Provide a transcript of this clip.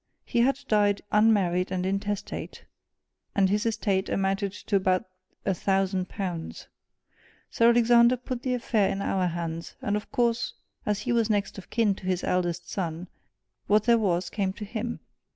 He had died unmarried and intestate, and his estate amounted to about a thousand pounds. Sir Alexander put the affair in our hands; and of course, as he was next of kin to his eldest son, what there was came to him.